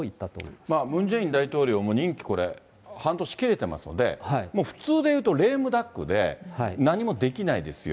まあムン・ジェイン大統領も任期これ、半年切れてますので、普通でいうとレームダックで、何もできないですよ。